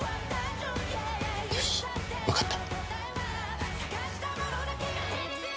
よしわかった。